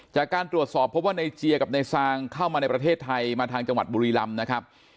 จากการตรวจสอบพบว่าในเจียกับนายซางเข้ามาในประเทศไทยมาทางจังหวัดบุรีลำนะครับ